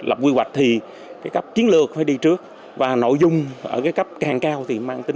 lập quy hoạch thì cái cấp chiến lược phải đi trước và nội dung ở cái cấp càng cao thì mang tính